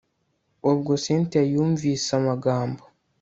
ubwo cyntia yumvise amagambo